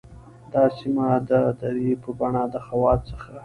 دا سیمه د درې په بڼه د خوات څخه